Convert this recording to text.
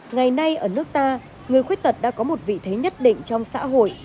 ngày nay ở nước ta người khuyết tật đã có một vị thế nhất định trong xã hội